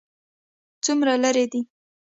څومره لیرې دی؟